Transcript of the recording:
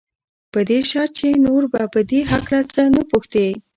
په دې شرط چې نور به په دې هکله څه نه پوښتې.